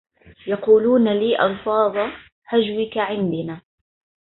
يقولون لي ألفاظ هجوك عندنا